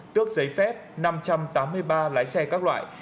tước giấy phép năm trăm tám mươi ba lái xe các loại